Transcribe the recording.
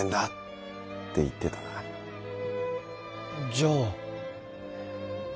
じゃあ。